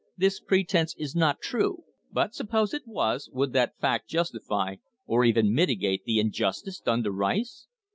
This pretence is not true; but suppose it was, would that fact justify, or even mitigate, the injustice done to Rice